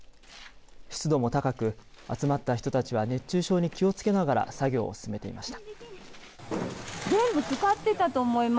湿度も高く、集まった人たちは熱中症に気をつけながら作業を進めていました。